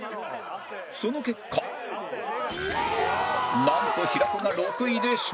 その結果なんと平子が６位で勝利！